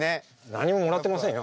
何ももらってませんよ